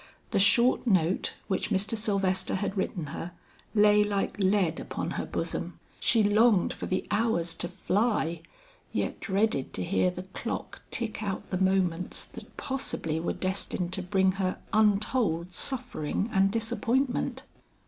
The short note which Mr. Sylvester had written her, lay like lead upon her bosom. She longed for the hours to fly, yet dreaded to hear the clock tick out the moments that possibly were destined to bring her untold suffering and disappointment.